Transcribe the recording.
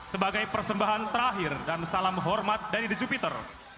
sebagai persembahan terakhir dan salam hormat dari the jupiter